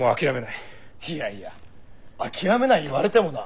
いやいや諦めない言われてもな。